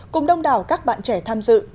cùng đông đảo các bạn trẻ tham dự